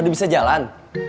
udah bisa jalan